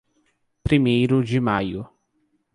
Primeiro de Maio